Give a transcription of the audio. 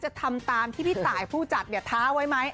จะทำตามที่พี่ตายผู้จัดเนี่ยท้าไว้ไหม